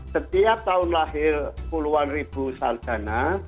setiap tahun lahir puluhan ribu sarjana